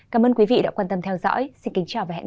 cảm ơn quý vị đã theo dõi